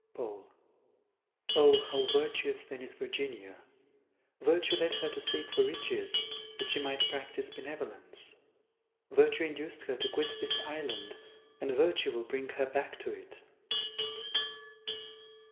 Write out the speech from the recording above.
Paul. Oh! how virtuous, then, is Virginia! Virtue led her to seek for riches, that she might practise benevolence. Virtue induced her to quit this island, and virtue will bring her back to it.